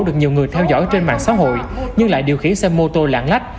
được nhiều người theo dõi trên mạng xã hội nhưng lại điều khiển xe mô tô lạng lách